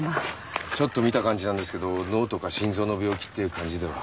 ちょっと診た感じなんですけど脳とか心臓の病気っていう感じでは。